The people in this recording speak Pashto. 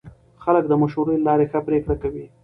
خلک د مشورې له لارې ښه پرېکړې کوي